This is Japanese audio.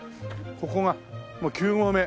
ここがもう９合目。